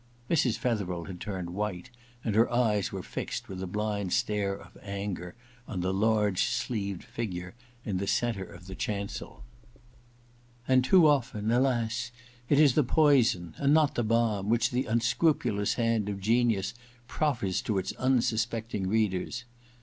••.' Mrs. Fetherel had turned white, and her eyes were fixed with a blind stare of anger on the large sleeved figure in the centre of the chancel. ^ And too often, alas, it is the poison and not the balm which the unscrupulous hand of genius proffers to its unsuspecting readers.